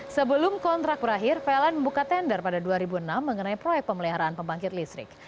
sebelum kontrak berakhir pln membuka tender pada dua ribu enam mengenai proyek pemeliharaan pembangkit listrik